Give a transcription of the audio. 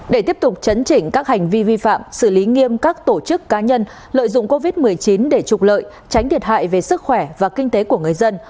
để tiếp tục chấn chỉnh các hành vi vi phạm xử lý nghiêm các tổ chức cá nhân lợi dụng covid một mươi chín để trục lợi tránh thiệt hại về sức khỏe và kinh tế của người dân